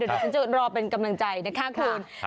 เดี๋ยวฉันจะรอเป็นกำลังใจนะคะคุณ